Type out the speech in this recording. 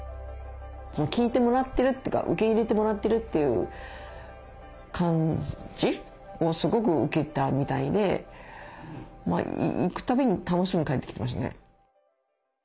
聞いてもらってるというか受け入れてもらってるという感じをすごく受けたみたいで行くたびに楽しんで帰ってきてましたね。